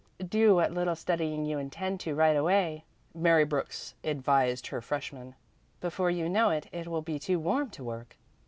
"Do what little studying you intend to right away," Mary Brooks advised her freshmen. "Before you know it, it will be too warm to work."